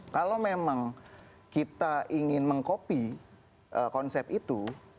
kalau memang kita ingin mengkopi konsep itu